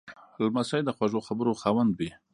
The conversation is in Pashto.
لمسی د خوږو خبرو خاوند وي.